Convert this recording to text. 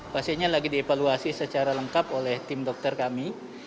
pasiennya lagi dievaluasi secara lengkap oleh tim dokter kami